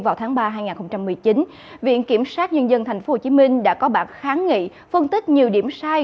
vào tháng ba hai nghìn một mươi chín viện kiểm sát nhân dân tp hcm đã có bạc kháng nghị phân tích nhiều điểm sai